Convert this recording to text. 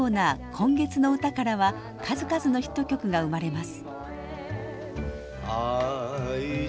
「今月の歌」からは数々のヒット曲が生まれます。